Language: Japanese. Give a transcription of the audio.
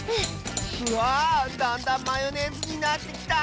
わあだんだんマヨネーズになってきた！